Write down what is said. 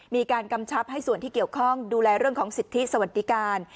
กำชับให้ส่วนที่เกี่ยวข้องดูแลเรื่องของสิทธิสวัสดิการ